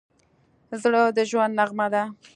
زړه د ژوند نغمه ده.